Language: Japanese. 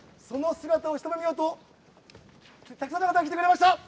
その姿を一目見ようとたくさんの方、来てくれました！